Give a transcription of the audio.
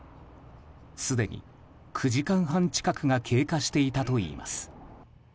すでに９時間半近くが経過していたといいます。